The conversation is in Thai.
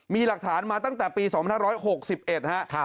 มีหลักฐานมาตั้งแต่ปี๒๐๑๖๑ฮะ